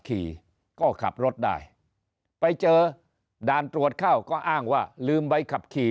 ขี่ก็ขับรถได้ไปเจอด่านตรวจเข้าก็อ้างว่าลืมใบขับขี่